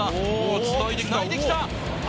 つないできた！